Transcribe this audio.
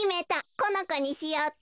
このこにしようっと。